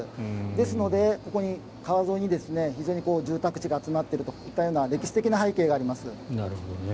ですので、ここに川沿いに非常に住宅地が集まっているという歴史的な背景があります。